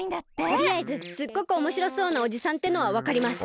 とりあえずすっごくおもしろそうなおじさんってのはわかります。